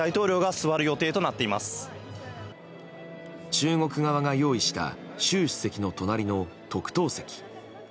中国側が用意した習主席の隣の特等席。